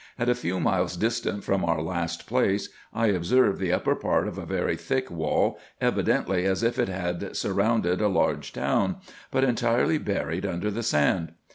At a few miles distant from our last place, I observed the upper part of a very thick wall, evidently as if it had surrounded a large town, but en tirely buried under the sand.